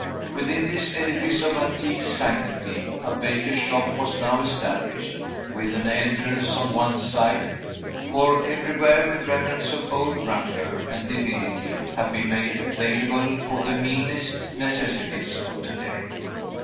Within this edifice of antique sanctity, a baker's shop was now established, with an entrance on one side; for, everywhere, the remnants of old grandeur and divinity have been made available for the meanest necessities of today.